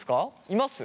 います？